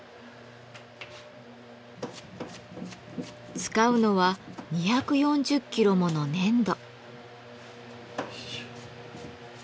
使うのは２４０キロもの粘土。